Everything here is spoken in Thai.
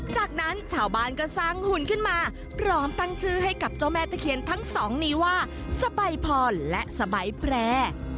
จากนั้นชาวบ้านก็สร้างหุ่นขึ้นมาพร้อมตั้งชื่อให้กับเจ้าแม่ตะเคียนทั้งสองนี้ว่าสบายพรและสบายแพร่